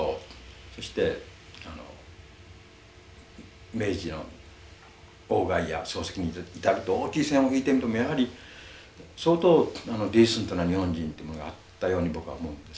そして明治の外や漱石に至る大きい線を引いてみてもやはり相当ディーセントな日本人ってものがあったように僕は思うんですね。